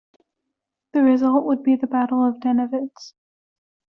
The result would be the Battle of Dennewitz.